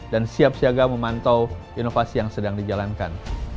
dan siap siaga memantau inovasi yang sedang dijalankan